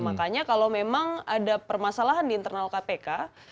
makanya kalau memang ada permasalahan di internal kpk